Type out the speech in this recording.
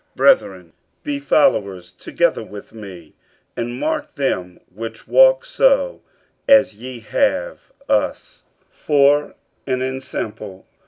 50:003:017 Brethren, be followers together of me, and mark them which walk so as ye have us for an ensample.